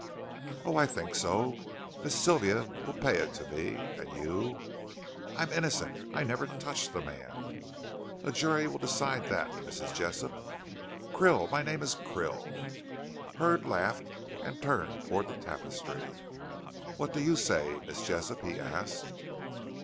"Oh, I think so. Miss Sylvia will pay it to me, and you " "I am innocent. I never touched the man." "A jury will decide that, Mrs. Jessop." "Krill my name is Krill." Hurd laughed and turned towards the tapestry. "What do you say, Miss Jessop?" he asked.